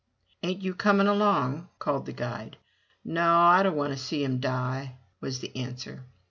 "Ain't you coming along?*' called the guide. "No, I don't want to see him die," was the answer.